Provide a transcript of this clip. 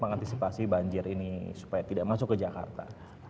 mengantisipasi banjir ini supaya tidak masuk ke jakarta